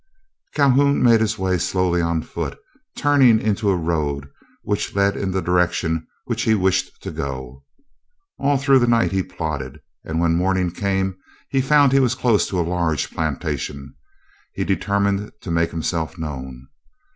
Calhoun made his way slowly on foot, turning into a road which led in the direction which he wished to go. All through the night he plodded, and when morning came he found he was close to a large plantation. He determined to make himself known.